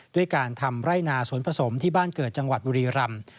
ด้วยการทำไร่นาสวนผสมที่บ้านเกิดจังหวัดบุรีรำ